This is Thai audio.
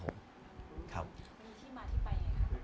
เป็นที่มาที่ไปไงครับเพลงนี้